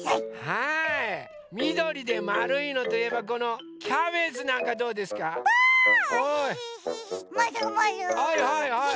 はいはいはいはい。